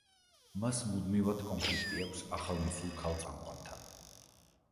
მას მუდმივად კონფლიქტი აქვს ახალმოსულ ქალ წამყვანთან.